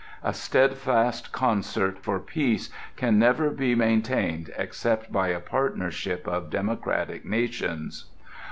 A steadfast concert for peace can never be maintained except by a partnership of democratic nations....